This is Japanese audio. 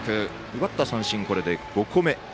奪った三振、これで５個目。